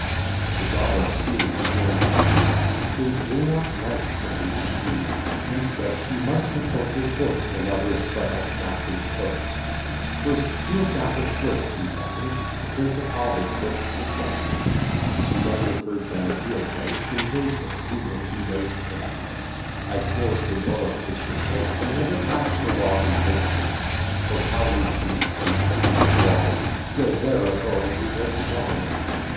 The goddess soon began to see, Things were not ripe for a decree; And said, she must consult her books, The lovers' Fletas, Bractons, Cokes. First to a dapper clerk she beckon'd To turn to Ovid, book the second: She then referr'd them to a place In Virgil, vide Dido's case: As for Tibullus's reports, They never pass'd for law in courts: For Cowley's briefs, and pleas of Waller, Still their authority was smaller.